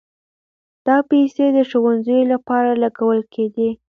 دا پيسې د ښوونځيو لپاره لګول کېدې.